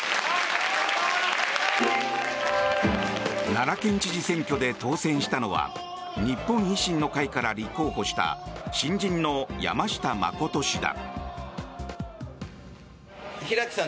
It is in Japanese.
奈良県知事選挙で当選したのは日本維新の会から立候補した新人の山下真氏だ。